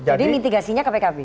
jadi mitigasinya ke pkb